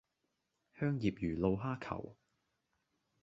香葉魚露蝦球